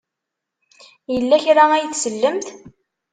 Yella kra ay tsellemt?